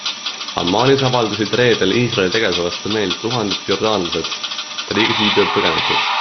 Ammanis avaldasid reedel Iisraeli tegevuse vastu meelt tuhanded jordaanlased ja riigis viibivad põgenikud.